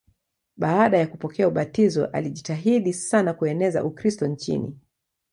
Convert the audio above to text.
Baada ya kupokea ubatizo alijitahidi sana kueneza Ukristo nchini.